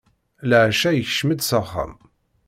Leɛca, ikcem-d s axxam.